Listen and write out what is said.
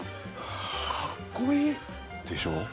かっこいい！でしょ？